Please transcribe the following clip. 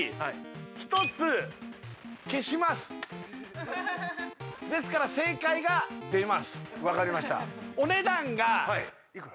１つ消しますですから分かりましたお値段がはいいくら？